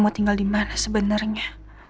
mau tinggal dimana sebenernya